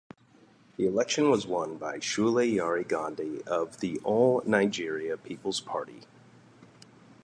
The election was won by Sule Yari Gandi of the All Nigeria Peoples Party.